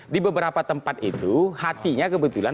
di beberapa tempat itu hatinya kebetulan